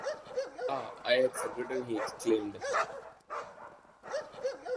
Ah, I had forgotten, he exclaimed.